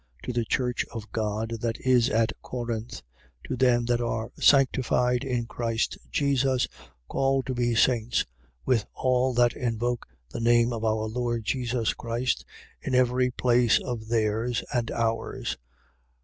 To the church of God that is at Corinth, to them that are sanctified in Christ Jesus, called to be saints, with all that invoke the name of our Lord Jesus Christ in every place of theirs and ours.